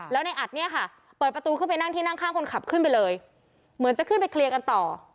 แล้วในอัดเนี่ยค่ะเปิดประตูขึ้นไปนั่งที่นั่งข้างคนขับขึ้นไปเลยเหมือนจะขึ้นไปเคลียร์กันต่อ